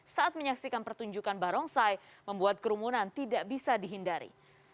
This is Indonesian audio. saat menyaksikan pertunjukan barongsai membuat kerumunan tidak bisa dihindari